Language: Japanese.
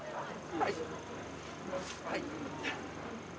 はい。